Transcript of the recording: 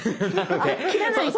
あっ切らないと。